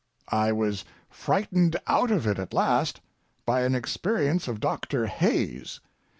I was frightened out of it at last by an experience of Doctor Hayes.